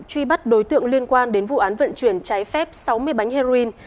truy bắt đối tượng liên quan đến vụ án vận chuyển trái phép sáu mươi bánh heroin